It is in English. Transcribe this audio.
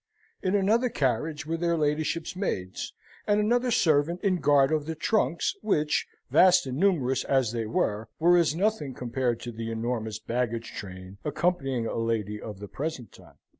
In another carriage were their ladyships' maids, and another servant in guard of the trunks, which, vast and numerous as they were, were as nothing compared to the enormous baggage train accompanying a lady of the present time.